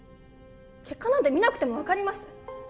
結果なんて見なくても分かります